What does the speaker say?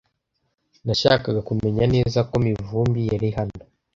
Nashakaga kumenya neza ko Mivumbi yari hano.